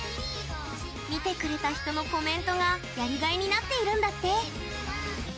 見てくれた人のコメントがやりがいになっているんだって。